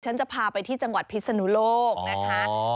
ฉันจะพาไปที่จังหวัดพิศนุโลกนะคะ